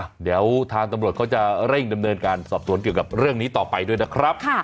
เดี๋ยวทางตำรวจเขาจะเร่งดำเนินการสอบสวนเกี่ยวกับเรื่องนี้ต่อไปด้วยนะครับ